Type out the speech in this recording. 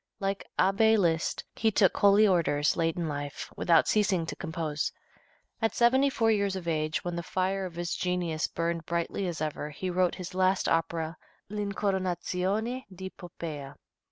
Like Abbé Liszt, he took holy orders late in life, without ceasing to compose. At seventy four years of age, when the fire of his genius burned brightly as ever, he wrote his last opera "L'Incoronazione di Poppea."